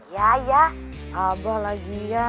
ya ya aboh lagi ya